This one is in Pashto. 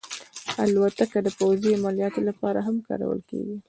الوتکه د پوځي عملیاتو لپاره هم کارول کېږي.